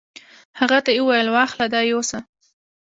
هغه ته یې وویل: واخله دا یوسه.